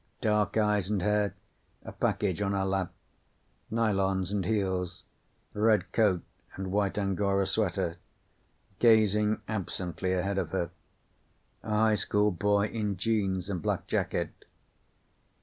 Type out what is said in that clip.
Dark eyes and hair, a package on her lap. Nylons and heels. Red coat and white angora sweater. Gazing absently ahead of her. A high school boy in jeans and black jacket.